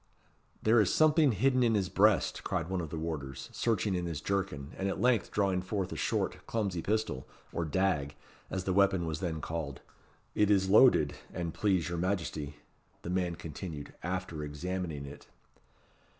"There is something hidden in his breast," cried one of the warders, searching in his jerkin, and at length drawing forth a short, clumsy pistol, or dag, as the weapon was then called. "It is loaded, an please your Majesty," the man continued, after examining it.